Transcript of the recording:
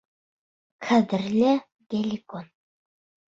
Ҡәҙерле Геликон!